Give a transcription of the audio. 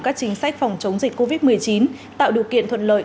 các chính sách phòng chống dịch covid một mươi chín tạo điều kiện thuận lợi